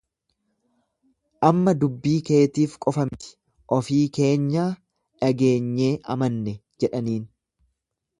Amma dubbii keetiif qofa miti, ofii keenyaa dhageenyee amanne jedhaniin.